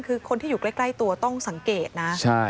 คือคนที่อยู่ใกล้ตัวต้องสังเกตนะ